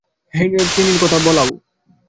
চেনির সাথে কথা বলাও।